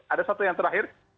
ada satu yang terakhir